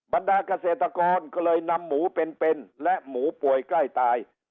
บรรดาเกษตรกรก็เลยนำหมูเป็นและหมูป่วยใกล้ตาย